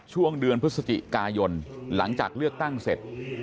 ช่วงเดือนพฤศจิกายนหลังจากเลือกตั้งเสร็จ